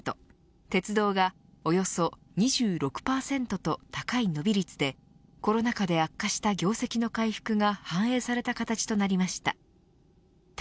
鉄道がおよそ２６％と高い伸び率でコロナ禍で悪化した業績の回復が反映された形となりました。